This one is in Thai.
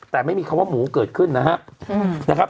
แต่ไม่มีคำว่าหมูเกิดขึ้นนะครับ